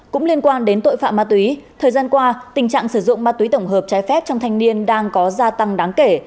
cũng liên quan đến tội phạm ma túy thời gian qua tình trạng sử dụng ma túy tổng hợp trái phép trong thanh niên đang có gia tăng đáng kể